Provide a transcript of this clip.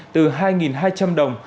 từ hai hai trăm linh đồng một lít